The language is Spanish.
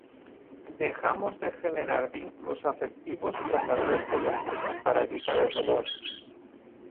Dejamos de generar vínculos afectivos con el resto del mundo para evitar el dolor.